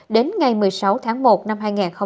đến ngày một mươi sáu tháng một năm hai nghìn hai mươi